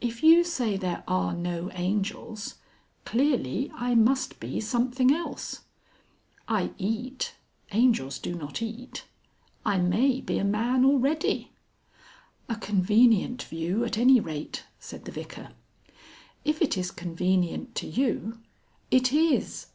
If you say there are no angels clearly I must be something else. I eat angels do not eat. I may be a man already." "A convenient view, at any rate," said the Vicar. "If it is convenient to you " "It is.